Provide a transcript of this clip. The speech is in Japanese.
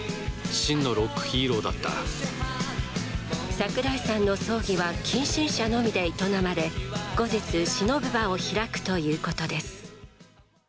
櫻井さんの葬儀は近親者のみで営まれ後日、偲ぶ場を開くということです。